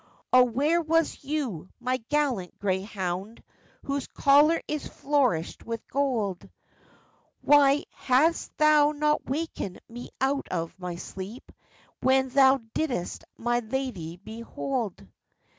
'O! where was you, my gallant greyhound, Whose collar is flourished with gold; Why hadst thou not wakened me out of my sleep, When thou didst my lady behold?